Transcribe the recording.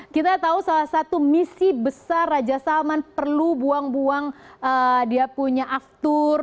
kita tahu salah satu misi besar raja salman perlu buang buang dia punya aftur